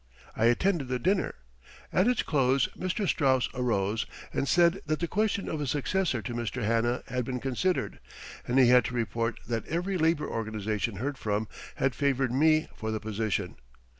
I attended the dinner. At its close Mr. Straus arose and said that the question of a successor to Mr. Hanna had been considered, and he had to report that every labor organization heard from had favored me for the position.